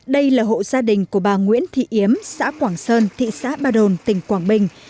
đây là hộ gia đình của bà nguyễn thị yếm xã quảng sơn thị xã ba đồn tỉnh quảng bình